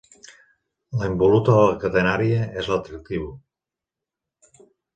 La involuta de la catenària és la tractriu.